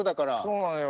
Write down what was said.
そうなのよ。